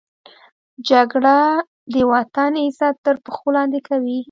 جګړه د وطن عزت تر پښو لاندې کوي